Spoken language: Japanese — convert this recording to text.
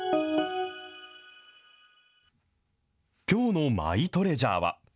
きょうのマイトレジャーは。